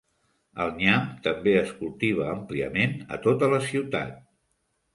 El nyam també es cultiva àmpliament a tota la ciutat.